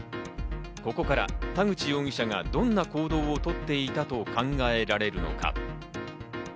ここから田口容疑者がどんな行動をとっていたと考えられるのか？